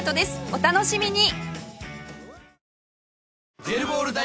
お楽しみに！